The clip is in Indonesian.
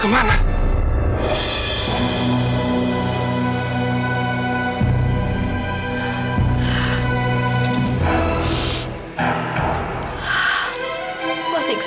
tak ada aku di mana